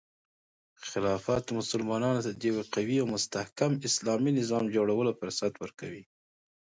خلافت مسلمانانو ته د یو قوي او مستحکم اسلامي نظام جوړولو فرصت ورکوي.